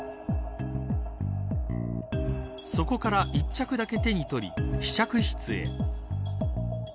そこから１着だけ手に取り試着室へ。